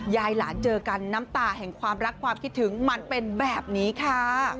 ยายหลานเจอกันน้ำตาแห่งความรักความคิดถึงมันเป็นแบบนี้ค่ะ